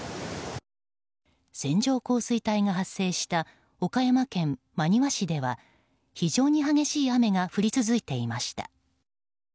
線状降水帯が発生した岡山県真庭市では非常に激しい雨が降り続いていました。